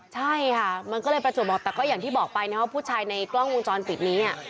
ใช่ค่ะมันก็เลยประจวบออกแต่ก็อย่างที่บอกไปนะว่าผู้ชายในกล้องวงจรปิดนี้